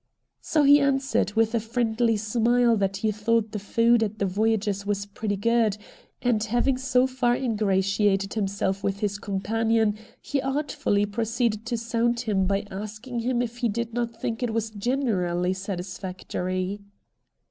So he answered with a friendly smile that lie thought the food at the Voyagers' was ])retty good, and having so far ingratiated himself with his companion he artfully pro ceeded to sound him by asking him if he did not think it was generally satisfactory.